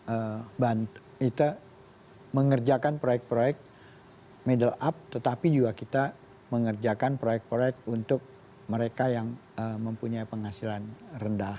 kita bantu kita mengerjakan proyek proyek middle up tetapi juga kita mengerjakan proyek proyek untuk mereka yang mempunyai penghasilan rendah